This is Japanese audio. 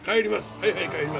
はいはい帰ります。